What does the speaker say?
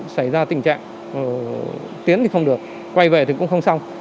xảy ra tình trạng tiến thì không được quay về thì cũng không xong